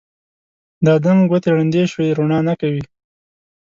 د ادم ګوتې ړندې شوي دي روڼا نه کوي